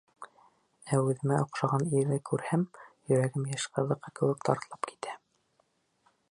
Ә үҙемә оҡшаған ирҙе күрһәм, йөрәгем йәш ҡыҙҙыҡы кеүек дарҫлап китә.